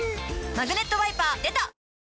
「マグネットワイパー」出た！